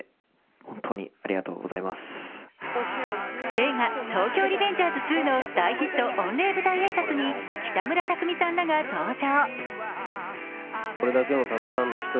映画「東京リベンジャーズ２」の大ヒット御礼舞台挨拶に北村匠海さんらが登場。